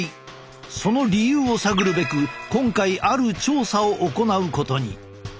その理由を探るべく今回ある調査を行うことに。